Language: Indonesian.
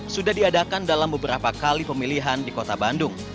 sudah diadakan dalam beberapa kali pemilihan di kota bandung